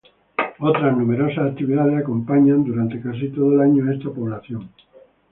Otras numerosas actividades acompañan durante casi todo el año a esta población.